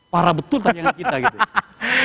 parah betul tayangan kita gitu